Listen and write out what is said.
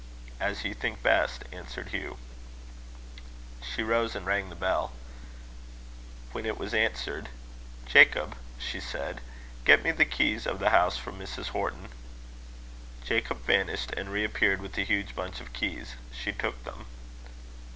"As you think best," answered Hugh. She rose and rang the bell. When it was answered, "Jacob," she said, "get me the keys of the house from Mrs. Horton." Jacob vanished, and reappeared with a huge bunch of keys. She took them.